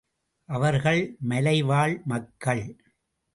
அவர்கள் மலைவாழ் மக்கள்.